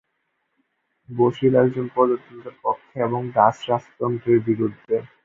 বশির একজন প্রজাতন্ত্রের পক্ষে এবং ডাচ রাজতন্ত্রের বিরুদ্ধে।